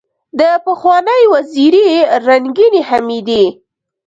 دپخوانۍ وزیرې رنګینې حمیدې